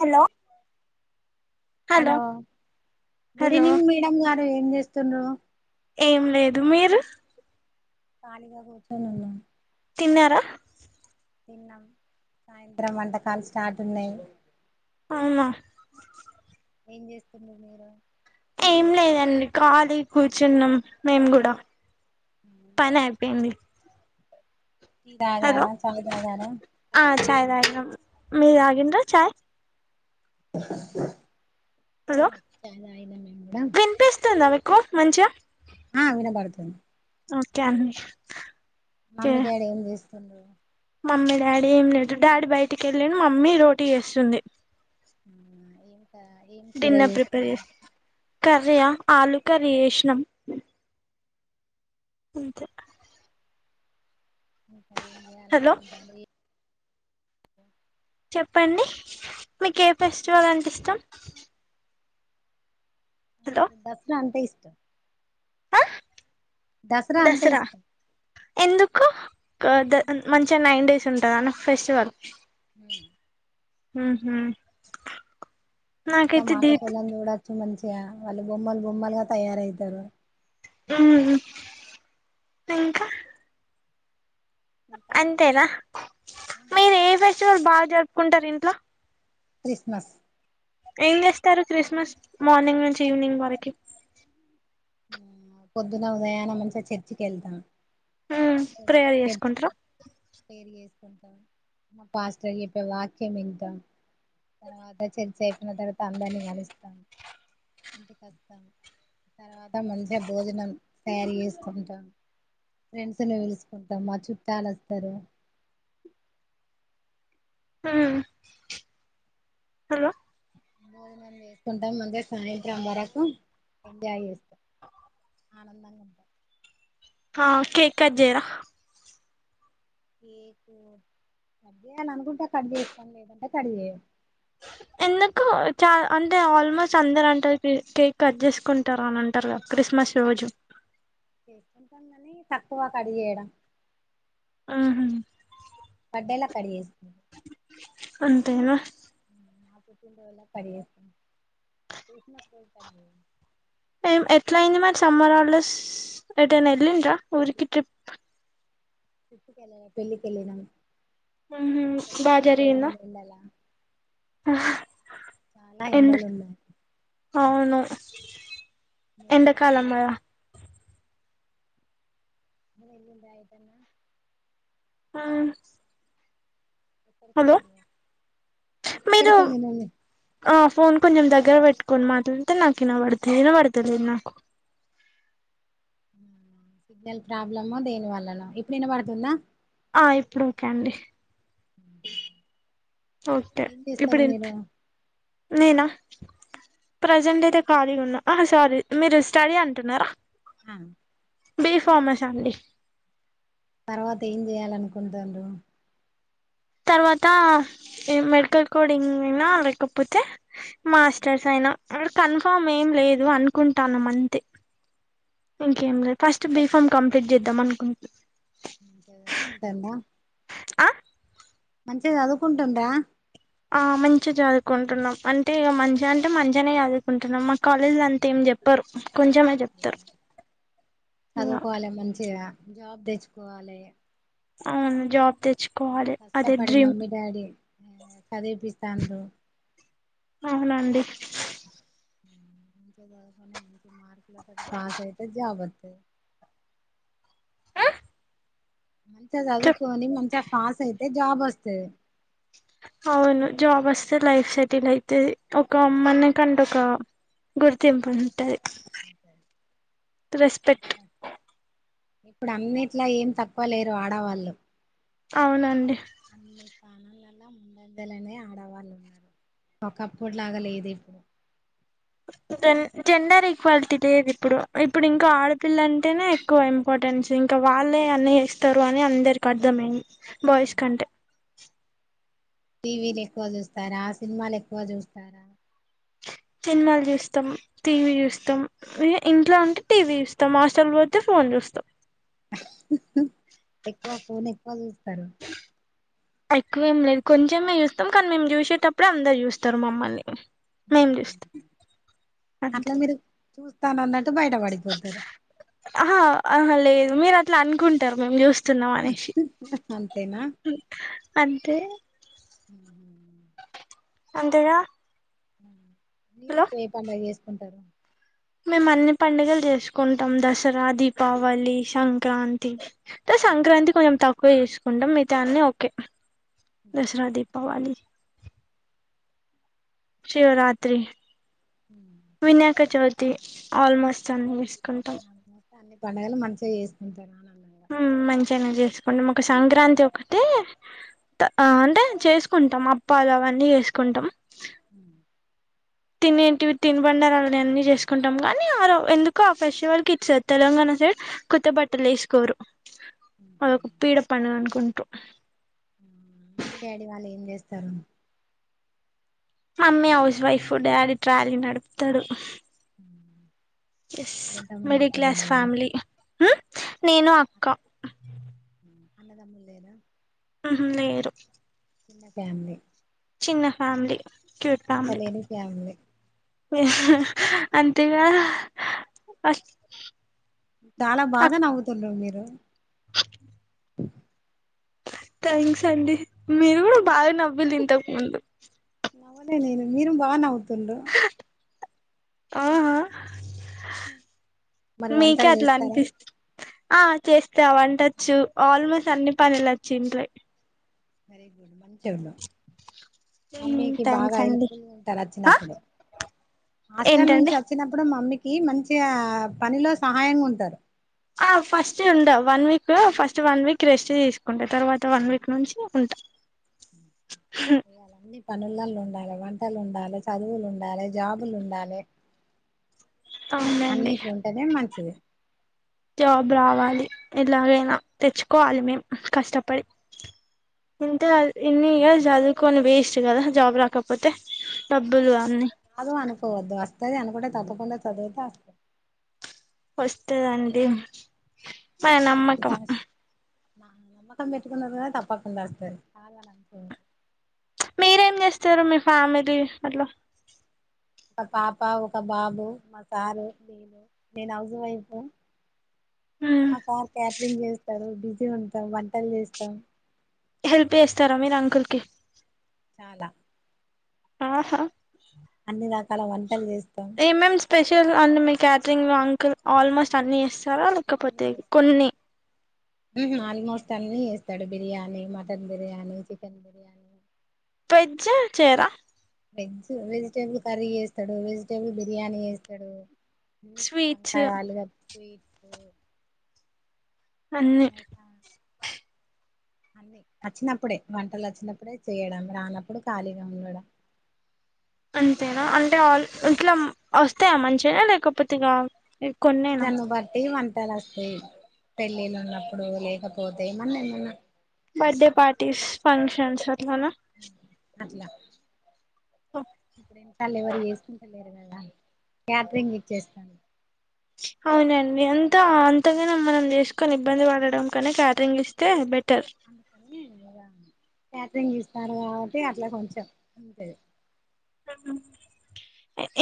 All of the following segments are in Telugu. Hello hello good hello evening madam గారు ఏం చేస్తుండ్రూ. ఏం లేదు మీరు ఖాళీగా కూర్చోనున్నాం. తిన్నారా తిన్నం సాయంత్రం వంటకాలు స్టార్ట్ ఉన్నాయి. అవునా ఏం చేస్తుండ్రు మీరు ఏం లేదండి ఖాళీ కూర్చున్నాం మేం గూడా. పని అయిపోయింది. టీ హలో తాగారా చాయ్ తాగారా ఆ ఛాయ్ తాగినం మీరు తాగిండ్రా ఛాయ్. హలో ఛాయ్ తాగినం మేం గూడా. కో మంచియా ఆ వినబడుతుంది ఓకే అండి ఓకే మమ్మీ డాడీ ఏం చేస్తుండ్రు. మమ్మీ డాడీ ఏం లేదు డాడీ బయటిక్ ఎళ్ళిండు మమ్మీ రోటీ చేస్తుంది. హ్ము ఏమి డిన్నర్ ప్రిపేర్ చేస్త్ [inaudible] కర్రీ ఆ ఆలుకర్రీ శేషిణం. ఉంతే ఇంకా ఏం హలో చేయాలనుకుంటాండ్రు ఏ [inaudible] చెప్పండి మీకు ఏ ఫెస్టివల్ అంటే ఇష్టం. హలో నాకు దసరా అంటే ఇష్టం. ఆ దసరా అంటే ఇష్టం. ఎందుకు కా ద మంచిగా నైన్ డేస్ ఉంటదన్నా ఫెస్టివల్. హ్మ్ హ్మ్ మత్తం ఆడేటోళ్ళని చూడొచ్చు మంచిగా వాళ్ళు బొమ్మలు బొమ్మలుగా తయారయితరు. అమ్మ్ ఇంకా ఇంకా అంతేనా మీరు ఏ ఫెస్టివల్ బాగా జరుపుకుంటారు ఇంట్లో క్రిస్మస్ ఏం చేస్తారు క్రిస్మస్ మార్నింగ్ నుంచి ఇవినింగ్ వరికి పొద్దున్న ఉదయాన్న మంచిగా చర్చికి వెళ్తా ప్రేయర్ చేసుకుంటార [unintelligible] పాస్టర్ చెప్పే వాక్యం ఇంక తర్వాత [unintelligible] తర్వాత అందార్ని కలుస్తాం ఇంటికి వస్తాము తర్వాత మంచిగా భోజనం తయారీ చేసుకుంటాం ఫ్రెండ్స్ [unintelligible] పిలుసుకుంటాం మా చుట్టాల వస్తారు ఆ బోజంనం చేసుకుంటాం అంటే సాయంత్రం వరకు ఎంజాయ్ చేస్తాం ఆనందం ఆ కేక్ కట్ చేయర కేకు కట్ చేయాలి అనుకుంటే కట్ చేస్తను లేదంటే కట్ చేయను ఎం నాకు చాల అంటే ఆల్మోస్ట్ అందరు అంటారు కేక్ కట్ చేసుకుంటారు అని అంటారు కదా క్రిస్మస్ రోజు [unintelligible] తక్కువ కడి చేయడం ఆ కడ్డేల [unintelligible] అంతేన [inaudible] ఎట్లా అయ్యింది మర సమ్మర్ హాలిడేస్ [unintelligible] ట్రిప్ కి ఏళ్ళలే పెళ్ళికి ఎళ్ళినం బాగ జరిగిందా ఎండలా ఆ చాన ఎండలు ఉన్నాయి అవును ఎండాకాలం కదా [unintelligible] అ ఏళ్ళిండ్రా ఏటు అయిన ఆ ఎక్కడకి మీరు [unintelligible] ఆ ఫోన్ కొంచెం దగ్గర పెట్టుకొని మాట్ల [unintelligible] నాకు వినబడుతు వినబడతలేదు నాకు సిగ్నల్ ప్రాబ్లమ్ దేని వల్లనో ఇప్పుడు వినపడుతుందా ఆ ఇప్పుడు ఓకే అండి ఓకే ఏం చేస్తారు ఇప్పుడు మీరు [unintelligible] ప్రజెంట్ అయితే ఖాళీగా ఉన్న ఆ సారీ మీరు స్టడీ అంటున్నారా అ డి ఫార్మసి అండి తర్వాత ఏం చేయాలనుకుంతుండ్రు తర్వాత మెడికల్ కోడింగ్ అయినా లేకపోతే మాస్టర్స్ అయిన కన్ఫామ్ ఏం లేదు అనుకుంటానము అంతే ఇంకేం లే ఫస్ట్ బి ఫామ్ కంప్లీట్ చేద్దాం అనుకుంటున్న ఆ మంచిగ చదువుకుం [unintelligible] ఆ మంచిగా చదువుకుంటున్నాం అంటే ఇ మంచి అంటే మంచిగానే చదువుకుంటున్నాం మా కాలేజీలో అంతా ఏం చెప్పరు కొంచెమే చెప్తారు ఇక చదువుకోవాలి మంచిగా జాబ్ తెచ్చుకోవాలే అవును జాబ్ తె అంత కష్టపడి మమ్మీ డాడీ చదివిపిస్తరు అవునండి పాస్ అయితే జాబ్ అంతది మంచిగా చెప్ చదువుకొని మంచిగా పాస్ అయితే జాబ్ వస్తది అవును జాబ్ వస్తే లైఫ్ సెటిల్ అయితది ఒక అమ్మని కంటే ఒక గుర్తింపు ఉంటది స [inaudible] రెస్పెక్ట్ ఇప్పుడు అన్నిట్లా ఏం తక్కువ లేరు ఆడవాళ్ళు అవునండి ప్రాణలలా ముందద్దలనే ఆడవాళ్ళు ఉన్నారు ఒకప్పులాగా లేదు ఇప్పుడు జ జెండర్ ఈక్వాలిటీ లేదు ఇప్పుడు ఇప్పుడు ఇంకా ఆడపిల్ల అంటేనే ఎక్కువ ఇంపార్టెన్స్ ఇంకా వాళ్ళే అన్నీ ఇస్తారు అని అందరికి అర్థమయింది బాయ్స్ కంటే టీవీలు ఎక్కువ చూస్తారా సినిమాలు ఎక్కువ చూస్తారా సినిన్నమాలు చూస్తాం టీవీ చూస్తాం ఇంట్లో ఉంటే టీవీ చూస్తాం హాస్టల్ పోతే ఫోన్ చూస్తాం ఎక్కువ ఫోన్ ఎక్కువ చూస్తారు ఎక్కువేం లేదు కొంచెమే చూస్తాం కానీ మేము చూసేటప్పుడే అందరు చూస్తారు మమ్మల్ని మేం చూస్తాం అట్లా అంతే మీరు చూస్తానన్నట్టు బయట పడిపోతారు ఆహ ఆహ లేదు మీరు అట్లా అనుకుంటారు మేము చూస్త స్తున్నాం అనేసి అంతేనా అంతే హ అంతేగా మీరు హలో ఎక్కువ ఏ పండగ చేసుకుంటారు మేము అన్ని పండుగలు చేసుకుంటాం దసరా దీపావళి సంక్రాంతి అంటే సంక్రాంతి కొంచెం తక్కువ చేసుకుంటాం మిగితాన్ని ఓకే దసరా దీపావళి శివరాత్రి వినాయక చౌతి ఆల్మోస్ట్ అన్స్ట్ అస్తే అన్ని పండుగలు మంచిగా చేసుకుంటారా అని ఉమ్ మంచిగానే చేసుకుంటాం ఒక సంక్రాంతి ఒకటే అంటే చేసుకుంటాం అప్పాలు అవన్నీ చేసుకుంటాం తినేంటివి తిని బండారాలని అన్ని చేసుకుంటాం కాని ఆ ఎందుకో ఆ ఫెస్టివల్ కి ఇటు సైడ్ తెలంగాణ స కొత్త బట్టలు వేసుకోరు అదొక పీడ పండగ అనుకుంటారు డాడీ వాళ్ళు ఏం చేస్తారు mummy house wife daddy trolley నడుపుతాడు ఎస్ మీరు ఎంతమంది మిడిల్ అక్క క్లాస్ చెల్లెలు ఫ్యామిలీ హూ నేను అక్క అన్నదామ్ములు లేరా హుహు లేరు చిన్న ఫ్యామిలీ చిన్న ఫ్యామిలీ క్యూట్ చింత ఫ్యామిలీ లేని ఫ్యామిలీ అంతేగా చాలా బాగా నవ్వుతున్నవ్ మీరు థ్యాంక్స్ అండి మీరు కూడా బాగా నవ్విలు ఇంతకు ముందు నవ్వలే నేను మీరు బాగా నవ్వుతుండు ఆహ మరి మీకే వంటలు అట్లా చేస్తారా అనిపిస్తు ఆ చేస్త ఆ వంటొచ్చు ఆల్మోస్ట్ అన్ని పనులు వచ్చి ఇంట్లో వెరీ గుడ్ మంచోల్లు మమ్మీకి బాగా థ్యాంక్స్ హెల్ప్ అండి ఫుల్ గా ఉంటారు ఆ వచ్చినప్పుడు హాస్టల్ నుంచి ఏంటండి వచ్చినప్పుడు మమ్మకి మంచి గా పనిలో సహాయంగా ఉంటారు ఆ ఫస్ట్ ఉంటా one week first one week rest తీసుకుంటా తర్వాత వన్ వీక్ నుంచి ఉంటా హ ఇయ్యాల ఉంది పని పిల్లలు ఉండాలి వంటలు ఉండాలి చదువులు ఉండాలి జాబులు ఉండాలే అవునండి అన్నిట్లో ఉంటేనే మంచిది జాబ్ రావాలి ఎలాగైనా తెచ్చుకోవాలి మేము కష్టపడి ఇంక ఇన్ని ఇయర్స్ చదువుకొని వేస్ట్ కదా జాబ్ రాకపోతే డబ్బులు వస్తది అన్ని రాదు అనుకోవద్దు తది అనుకుంటే తప్పకుండా చదువుత వస్తదండి మన నమ్మకం నా నమ్మకం పెట్టుకున్నరు కద తప్పకుండ వస్తది కాదనట్లేదు మీరేం మీ చేస్తారు మీ ఫ్యామిలీ అట్ల ఒక పాప ఒక బాబు మా సారు నేను నేను హౌస్ వైఫ్ మ్మ్ మా సార్ క్యాటరింగ్ చేస్తాడు బిజీ ఉంటాం వంటలు చేస్తాం హెల్ప్ చేస్తారా మీరు అంకుల్ కి చాలా ఆహా అన్ని రకాల వంటలు చేస్త ఏమేం స్పెషల్ అండి మీ క్యాటరింగ్ లో అంకుల్ ఆల్మోస్ట్ అన్ని ఇస్త తార అన్ని లేకపోతే చేస్తాడు కొన్ని ఆల్మోస్ట్ అన్ని చేస్తాడు biryani mutton biryani chicken biryani veg చేయారా వెజ్ వెజిటేబుల్ కర్రీ చేస్తాడు వెజిటేబుల్ బిర్యానీ చేస్తాడు అన్ని స్వీట్స్ వంకాయ ఆలుగడ్డ స్వీట్స్ అన్నీ అన్నీ వచ్చినప్పుడే వంటలు వచ్చినప్పుడే చేయడం రానప్పుడు ఖాళీగా ఉండడం [inaudible] అంతేనా అంటే అ ఇట్లా వస్తాయా మంచిగానే లేకపోతే ఇగా దాన్ని బట్టి వంట ట్టలు వస్తాయి పెళ్ళిళ్ళ ఉన్నప్పుడు లేకపోతే మన్నా ఏమన్నా బర్త్డే ఫంక్షన్స్ పార్టీస్ ఫంక్షన్స్ అ అట్లా ఎవరు చేసుకుంటలేరు కదా క్యాటరింగ్ ఇచ్చేస్తాను అవునండి అంత అంతగానం మనం చేసుకొని ఇబ్బంది పడడం కన్నా క్యాటరింగ్ ఇస్తే బెటర్ అంత తెలువద క్యాటరింగ్ ఇస్తార్ కాబట్టి అట్లా కొంచెం ఉంటది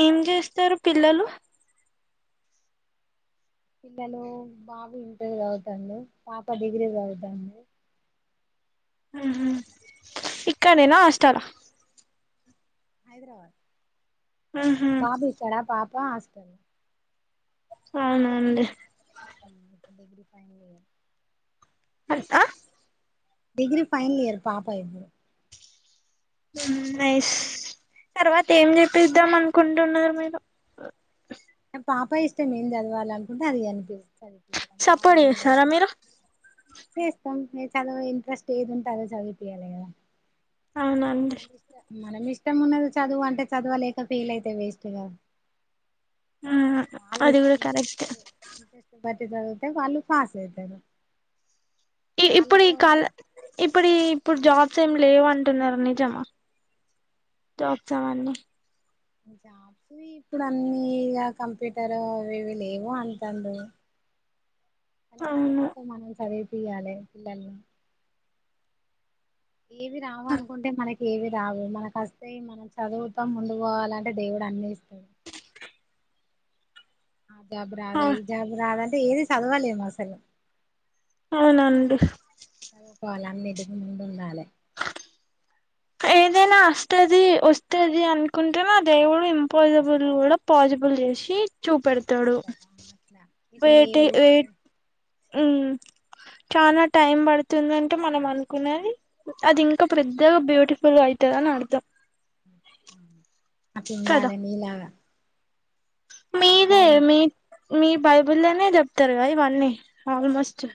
ఏం చేస్తారు పిల్లలు పిల్లలు బాబు ఇంటర్ చదువుతాండు పాప డిగ్రీ చదువుతోంది ఇక్కడేనా అష్టలా మ్హూ. బాబు ఇక్కడ పాప హాస్టల్ అవునా అండి ఇప్పుడు డిగ్రీ ఫైనల్ ఇయర్ ఎంత డిగ్రీ ఫైనల్ ఇయర్ పాప ఇప్పుడు ఉం నైస్ తర్వాత ఏం చెప్పిద్దాం అనుకుంటున్నారు మీరు పాప ఇష్టం ఏం చదవాల అనుకుంటే అది చదిపిస్తాం పాప సపోర్ట్ ఏ చేస్తారా మీరు చేస్తాం చదువు ఇంట్రెస్ట్ ఏది ఉంటందో చదివిపియాలి కదా అవునండి మన ఇష్టం ఉన్నది చదువు అంటే చదవలేక ఫీల్ అయితే వేస్ట్గాకదా మ్, వాళ్ల అది ఇస్ కూడా ఇంట్రెస్ట్ కరెక్ట్ ఎవరు చదివితే వాళ్లు పాస్ అవుతారు ఇ ఇప్పుడు కాల ఇప్పుడి ఇప్పుడు జాబ్స్ ఏమి లేవు అంటున్నారు నిజమా జాబ్స్ ఏవన్నీ జాబ్స్ ఇప్పుడు అన్నీ కంప్యూటర్ అవి ఇవి లేవు అంటడు కానీ మా అవును వాళ్తో మనం చదివిపియాలి పిల్లల్ని ఇవి రావు అనుకుంటే మనకి ఏవి రావు మనక వస్తే మనం చదువుతాం ముందుకు పోవాలంటే దేవుడు అన్ని ఇస్తాడు [inaudible] ఆ జాబ్ ఆ రాదు ఈ జాబ్ రాదు అంటే ఏది చదవాలేము అసలు అవునండి వాళ్లు అన్నింటికి ముందుండాలే ఏదైనా వస్తది వస్తుది అనుకుంటే ఆ దేవుడు ఇంపాసిబుల్ కూడా పాజిబుల్ చేసి చూపెడతాడు ఇస్తారా అట్లా ఇది లేవు ఇప్పుడు ఆ చాలా టైం పడుతుంది అంటే మనం అనుకునేది అది ఇంకా పెద్దగా బ్యూటిఫుల్గా అయితది అని అర్థం అట్లా కదా ఉండాలే నీలాగా మీదే నీలాగా మీ మీ బైబుల్లోనే చెప్తారు కద ఇవన్నీ చెప్ ఆల్మోస్ట్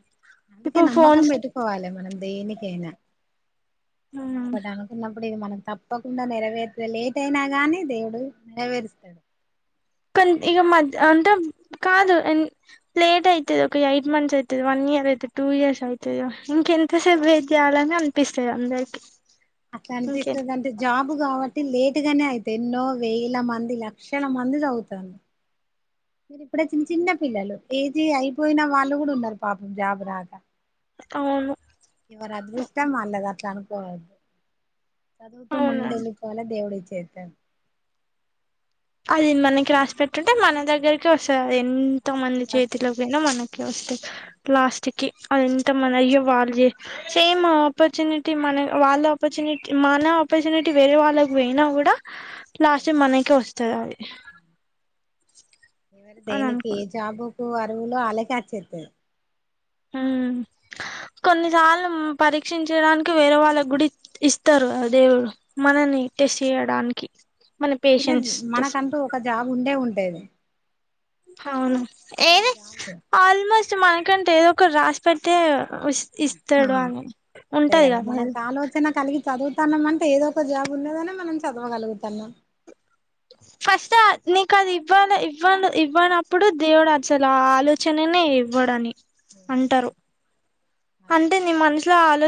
అందుకే ఇప్పుడు నమ్మకం ఫోన్స్ పెట్టుకోవాలి మనం దేనికైనా మనమ ఉమ్ ఒకటనకున్న ఇప్పుడు ఇది మనకు తప్పకుండా నెరవేరుతే లేట్ అయినా గానీ దేవుడు నెరవేరుస్తాడు కన్ ఇగ ఇస్తాడు మధ్య అన్ టం కాదుం లేట్ అయితది ఒక ఎయిట్ మంత్స్ అయితది వన్ ఇయర్ అయితది టూ ఇయర్స్ అయితది కదా ఎంతసేపు వెయిట్ చేయాలి అని అనిపిస్తాది అందరికి అట్లా ఇంకెంత అనిపిస్తుంది అంటే జాబు కావట్ టి లేటు గానే అయితే ఎన్నో వేల మంది లక్షల మంది చదువుతరు మీరు ఇప్పుడే చిన్న చిన్న పిల్లలు పీజీ అయిపోయినా వాళ్ళు కూడా ఉన్నారు పాపం జాబ్ రాక అవును ఎవరు అదృష్టం వాళ్ళది అట్లా అనుకోవదు చదువు లో అవునండి ముండళ్లిపోాల దేవుడియి చేస్తాడు అది మనకి రాసి పెట్టుంటే మన దగ్గరికి వస్తుంది ఎంత మంది తప్పకుండా వస్తాది చేతిలోకైనా మనకకే వస్తాయి లాస్ట్ టికి అది ఎంత మన అయ్యో వాళ్ళు చే సేమ్ ఆపర్చునిటీ మన వాళ్ళ ఆపర్చునిటీ మాన ఆపర్చునిటీ వేరే వాళ్ళకి పోయినా కూడా లాస్ దేవుడు మనకే వస్తాది అది ఎవరి అని దేనికి ఏ అనుకున్నా జాబుకు అరువులో అలకిచ్చేస్తంది ఉ కొన్నిసార్లు ఉ పరీక్షించడానికి వేరే వాళ్ళకి కూడా ఇస్తారుా ఆ దేవుడు మనన్ నే టెస్ట్ చేయడానికి మన చిన్నది పేషెన్స్ టస్ మనకంటూ ఒక జాబ్ ఉండే ఉంటది అవును ఏది ఆల్మోస్ట్ మనకంటే ఏదో ఒకటి రాసి పెడితే ఉస్ ఇస్తాడు అవును అని ఉంటది కదా హెల్ప్ చదువుతన్నాం అంటే ఏదో ఒక జాబ్ ఉన్నదని మనం చదువగలుగుతనం ఫస్ట్ అది నీకు అది ఇవ్వాల ఇవ్వాల ఇవ్వనప్పుడు దేవుడు అసలు ఆలోచననే చెయ్ ఇవ్వడని అంటారు అంటే అంటారు నీ మనసులో ఆలో